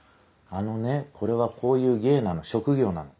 あのねこれはこういう芸なの職業なの。